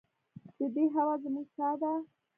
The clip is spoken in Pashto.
د دې هوا زموږ ساه ده